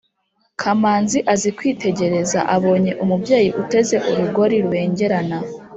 kamanzi azi kwitegereza, abonye umubyeyi uteze urugori rubengerana